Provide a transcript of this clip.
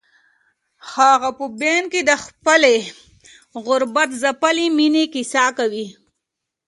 هغه په بن کې د خپلې غربت ځپلې مېنې کیسه کوي.